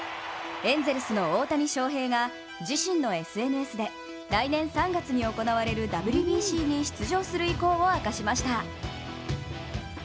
エンゼルスの大谷翔平が自身のＳＮＳで来年３月に行われるＷＢＣに出場する意向を明かしました。